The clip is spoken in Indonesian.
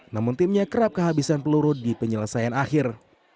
namun timnya kerap kehabisan peluru di penyelesaian akhir